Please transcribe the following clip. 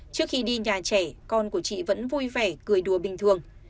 trước khi đi nhà trẻ con của chị vẫn vui vẻ cười đùa bình thường